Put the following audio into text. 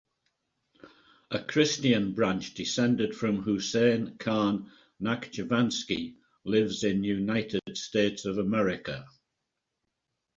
A Christian branch descended from Huseyn Khan Nakhchivanski lives in United States of America.